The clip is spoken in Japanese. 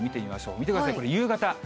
見てください、これ、夕方。